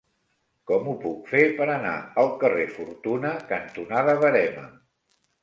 Com ho puc fer per anar al carrer Fortuna cantonada Verema?